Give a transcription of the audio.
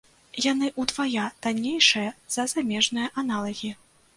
Яны ўдвая таннейшыя за замежныя аналагі.